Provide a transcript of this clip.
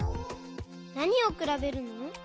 なにをくらべるの？